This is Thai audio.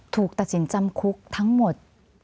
ถูกตัดสินจำคุกทั้งหมด